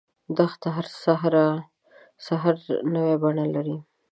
دښته هر سحر نوی بڼه لري.